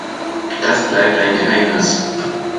Das bleibt ein Geheimnis.